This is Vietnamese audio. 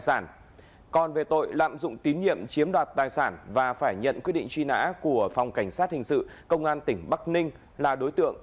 xin chào tạm biệt và hẹn gặp lại